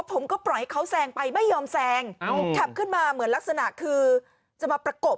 ผมก็ปล่อยให้เขาแซงไปไม่ยอมแซงขับขึ้นมาเหมือนลักษณะคือจะมาประกบ